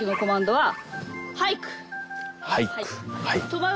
はい。